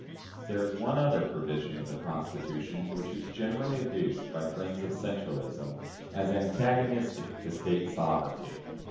There is one other provision of the Constitution, which is generally adduced by the friends of centralism as antagonistic to State sovereignty.